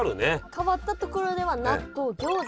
変わったところでは納豆ギョーザ。